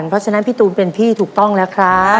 แล้ววันนี้ผมมีสิ่งหนึ่งนะครับเป็นตัวแทนกำลังใจจากผมเล็กน้อยครับ